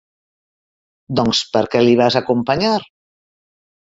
Doncs per què l'hi vas acompanyar?